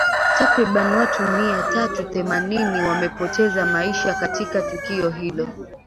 takriban watu mia tatu themanini wamepoteza maisha katika tukio hilo